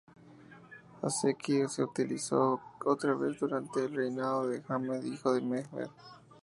Haseki se utilizó otra vez durante el reinado de Ahmed, hijo de Mehmed.